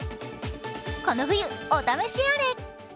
この冬、お試しあれ。